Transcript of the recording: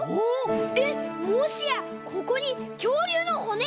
えっもしやここにきょうりゅうのほねが！？